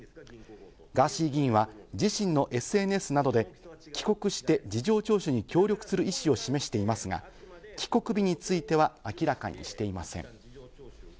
ガーシー議員は自身のＳＮＳなどで、帰国して事情聴取に協力する意思を示していますが、帰国日については明らかにしていません。